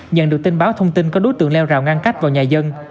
nhận được tin báo thông tin có đối tượng leo rào ngăn cách vào nhà dân